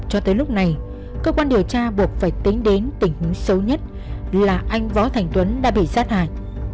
cho tới lúc này cơ quan điều tra buộc phải tính đến tình huống xấu nhất là anh võ thành tuấn đã bị sát hại